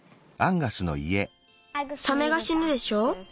サメがしぬでしょう。